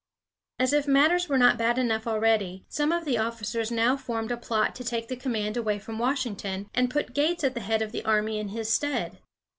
As if matters were not bad enough already, some of the officers now formed a plot to take the command away from Washington, and put Gates at the head of the army in his stead.